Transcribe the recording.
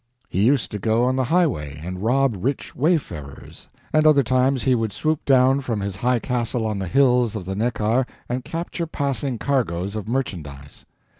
He used to go on the highway and rob rich wayfarers; and other times he would swoop down from his high castle on the hills of the Neckar and capture passing cargoes of merchandise.